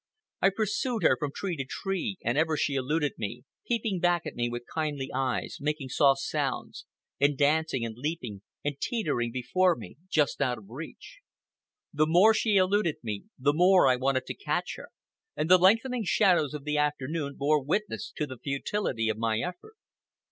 I pursued her from tree to tree, and ever she eluded me, peeping back at me with kindly eyes, making soft sounds, and dancing and leaping and teetering before me just out of reach. The more she eluded me, the more I wanted to catch her, and the lengthening shadows of the afternoon bore witness to the futility of my effort.